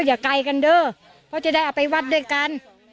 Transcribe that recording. อย่าไกลกันเด้อเพราะจะได้เอาไปวัดด้วยกัน